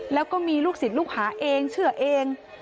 แล้วก็มีลูกศิษย์ลูกหาเองเชื่อเอง